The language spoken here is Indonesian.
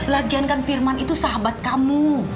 lagian kan firman itu sahabat kamu